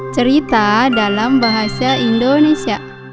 cerita dalam bahasa indonesia